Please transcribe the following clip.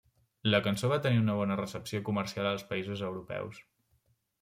La cançó va tenir una bona recepció comercial als països europeus.